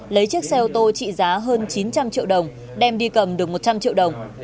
lấy chiếc xe ô tô trị giá hơn chín trăm linh triệu đồng đem đi cầm được một trăm linh triệu đồng